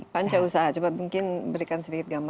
panca usaha coba mungkin berikan sedikit gambar